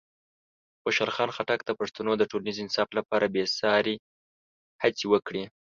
خوشحال خان خټک د پښتنو د ټولنیز انصاف لپاره بېساري هڅې وکړې.